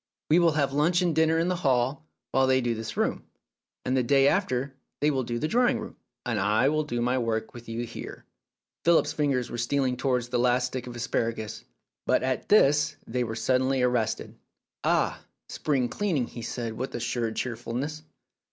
We will have lunch and dinner in the hall while they do this room, and the day after they will do the drawing room, and I will do my work with you here." Philip's fingers were stealing towards the last stick of asparagus, but at this they were suddenly arrested. "Ah, spring cleaning!" he said with assumed cheerfulness.